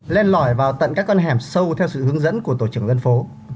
lên lỏi vào tận các con hẻm sâu theo sự hướng dẫn của tổ trưởng dân phố